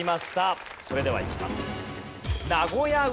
それではいきます。